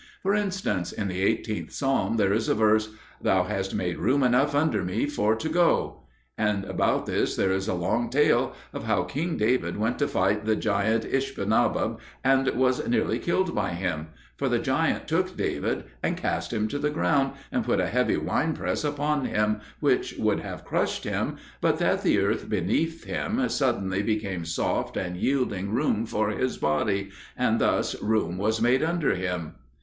For instance, in the 18th Psalm there is a verse, "Thou hast made room enough under me for to go." And about this there is a long tale of how King David went to fight the giant Ishbi benob, and was nearly killed by him; for the giant took David and cast him to the ground, and put a heavy wine press upon him, which would have crushed him, but that the earth beneath him suddenly became soft and yielded room for his body, and thus room was made under him.